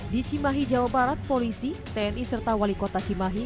di cimahi jawa barat polisi tni serta wali kota cimahi